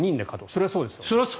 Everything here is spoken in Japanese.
それはそうですよね。